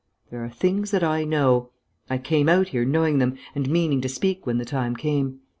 There are things that I know.... I came out here knowing them, and meaning to speak when the time came.